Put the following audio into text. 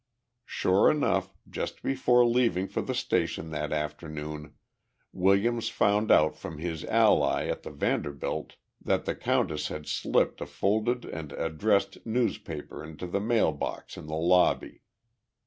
Sure enough, just before leaving for the station that afternoon, Williams found out from his ally at the Vanderbilt that the countess had slipped a folded and addressed newspaper into the mail box in the lobby.